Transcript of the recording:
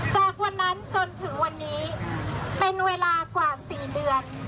จากวันนั้นจนถึงวันนี้เป็นเวลากว่า๔เดือน